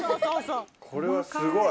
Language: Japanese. これはすごい！